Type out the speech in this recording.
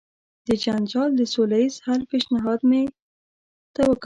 د جنجال د سوله ایز حل پېشنهاد یې ورته وکړ.